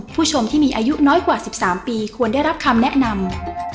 ผู้ชมที่มีอายุน้อยกว่า๑๓ปีควรได้รับคำแนะนำ